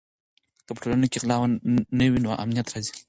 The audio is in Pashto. که په ټولنه کې غلا نه وي نو امنیت راځي.